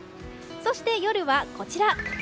そして夜はこちら。